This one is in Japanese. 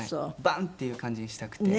バン！っていう感じにしたくて。